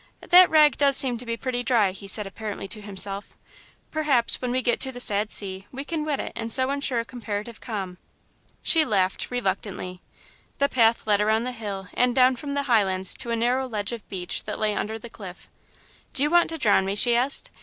"That rag does seem to be pretty dry," he said, apparently to himself. "Perhaps, when we get to the sad sea, we can wet it, and so insure comparative calm." She laughed, reluctantly. The path led around the hill and down from the highlands to a narrow ledge of beach that lay under the cliff. "Do you want to drown me?" she asked.